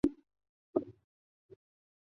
谭全播分掌城中兵。